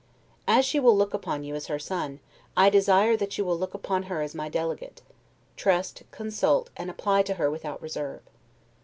As she will look upon you as her son, I desire that you will look upon her as my delegate: trust, consult, and apply to her without reserve.